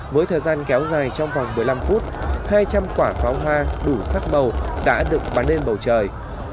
với thời gian kéo dài trong vòng một mươi năm phút hai trăm linh quả pháo hoa đủ sắc màu đã được bắn lên bầu trời